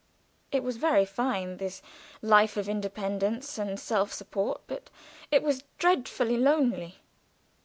It was very fine, this life of independence and self support, but it was dreadfully lonely.